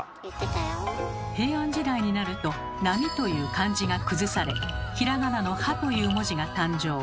平安時代になると「波」という漢字が崩されひらがなの「は」という文字が誕生。